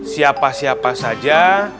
siapa siapa saja